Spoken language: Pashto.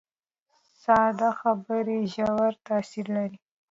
ساده خبرې ژور تاثیر لري